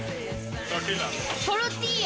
トルティーヤ。